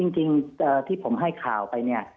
จริงที่ผมให้ข่าวไปเนี่ย